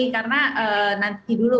karena nanti dulu